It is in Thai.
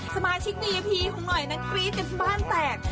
สมาชิกในยพีของหน่อยนักบีเต็มบ้านแตก